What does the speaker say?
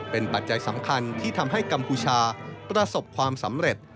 เป็นปัจจัยสำคัญที่ทำให้กัมพูชาประสบความสำเร็จ